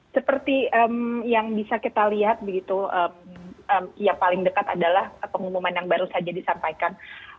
seperti yang bisa kita lihat begitu ya paling dekat adalah pengumuman yang baru saja disampaikan